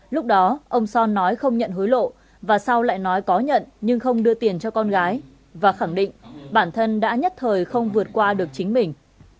lúc đó ông son nói không nhận hối lộ và sau lại nói có nhận nhưng không đưa tiền cho con gái và khẳng định bản thân đã nhất thời không vượt qua được chính mình